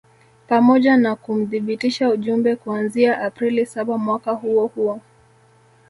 pamoja na kumthibitisha Jumbe kuanzia Aprili saba mwaka huo huo